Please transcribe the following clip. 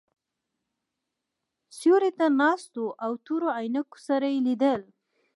سیوري ته ناست وو او تورو عینکو سره یې لیدل.